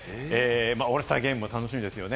オールスターゲームも楽しみです。